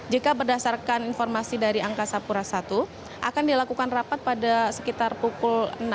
jika berdasarkan informasi dari angkasa pura i akan dilakukan rapat pada sekitar pukul enam